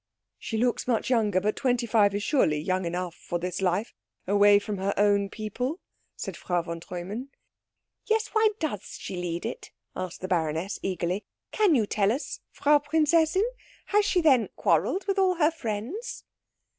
"She looks much younger. But twenty five is surely young enough for this life, away from her own people," said Frau von Treumann. "Yes why does she lead it?" asked the baroness eagerly. "Can you tell us, Frau Prinzessin? Has she then quarrelled with all her friends?"